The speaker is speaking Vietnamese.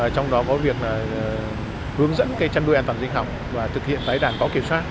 trong đó có việc hướng dẫn chăn nuôi an toàn sinh học và thực hiện tái đàn có kiểm soát